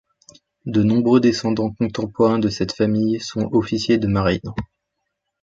De nombreux descendants contemporains de cette famille sont officiers de marine.